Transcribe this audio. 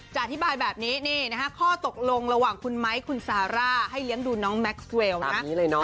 อธิบายแบบนี้นี่นะฮะข้อตกลงระหว่างคุณไม้คุณซาร่าให้เลี้ยงดูน้องแม็กซ์เวลนะ